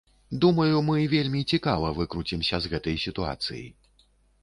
Думаю, мы вельмі цікава выкруцімся з гэтай сітуацыі.